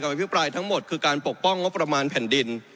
พิปรายทั้งหมดคือการปกป้องงบประมาณแผ่นดิน